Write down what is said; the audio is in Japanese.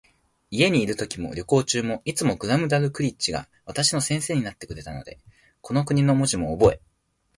家にいるときも、旅行中も、いつもグラムダルクリッチが私の先生になってくれたので、この国の文字もおぼえ、